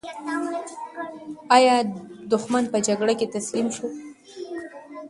ایا دښمن په جګړه کې تسلیم شو؟